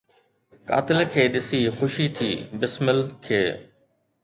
قاتل کي ڏسي خوشي ٿي بسمل کي